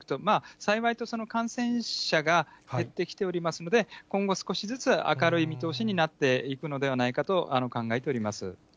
幸いとその感染者が減ってきておりますので、今後、少しずつ明るい見通しになっていくのではないかと考えております。